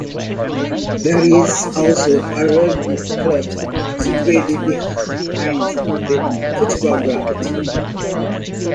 There is also a rugby club situated behind the football ground.